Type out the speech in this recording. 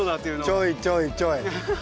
ちょいちょいちょい！